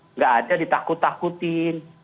enggak ada ditakut takutin